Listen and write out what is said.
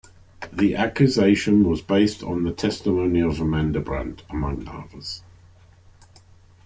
The accusation was based on the testimony of Amanda Brandt among others.